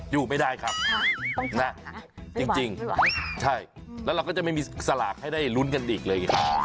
อยู่ไม่ได้ครับนะจริงใช่แล้วเราก็จะไม่มีสลากให้ได้ลุ้นกันอีกเลยไง